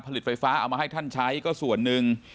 ไฟฟ้าเอามาให้ท่านใช้ก็ส่วนหนึ่ง